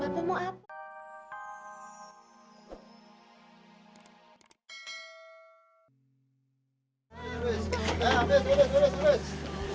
bapak mau apa